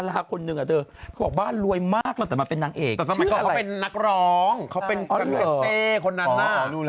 และเว็บตัวเองของจะเป็นใคร